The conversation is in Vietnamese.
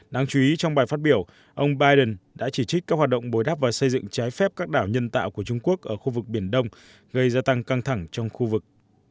đáng chú ý trong bài phát biểu ông biden đã chỉ trích các hoạt động bối đắp và xây dựng trái phép các đảo nhân tạo của trung quốc ở khu vực biển đông gây gia tăng căng thẳng trong khu vực